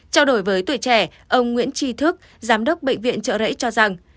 trao đổi với tuổi trẻ ông nguyễn tri thức giám đốc bệnh viện trợ rẫy cho rằng